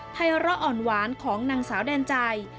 ไร้ออ่อนหวานของนางสาวแดนใจ